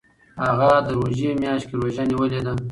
هغه د روژې میاشت کې روژه نیولې ده.